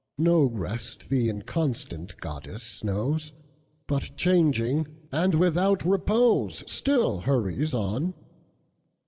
No rest the inconstant goddess knows, But changing, and without repose, Still hurries on.